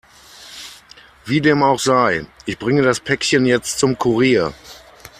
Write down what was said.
Wie dem auch sei, ich bringe das Päckchen jetzt zum Kurier.